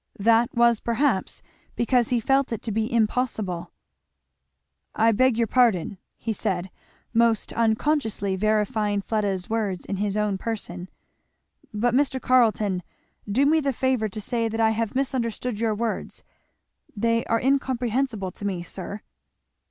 That was perhaps because he felt it to be impossible. "I beg your pardon," he said, most unconsciously verifying Fleda's words in his own person, "but Mr. Carleton, do me the favour to say that I have misunderstood your words. They are incomprehensible to me, sir."